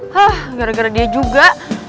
hah gara gara dia juga